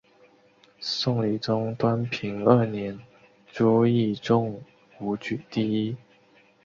宋理宗端平二年朱熠中武举第一。